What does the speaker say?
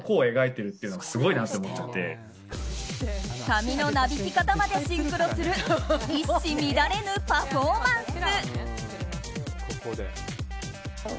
髪のなびき方までシンクロする一糸乱れぬパフォーマンス。